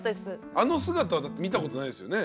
あの姿だって見たことないですよね。